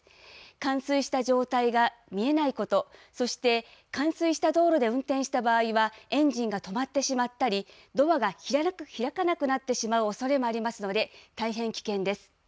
冠水した状態が見えないこと、そして、冠水した道路で運転した場合は、エンジンが止まってしまったり、ドアが開かなくなってしまうおそれもありますので、大変危険です。